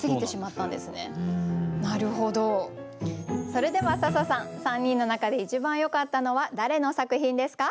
それでは笹さん３人の中で一番よかったのは誰の作品ですか？